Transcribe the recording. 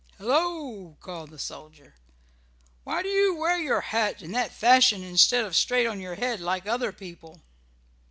"Hello!" called the soldier. "Why do you wear your hat in that fashion instead of straight on your head like other people?"